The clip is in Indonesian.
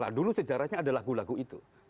nah dulu sejarahnya ada lagu lagu itu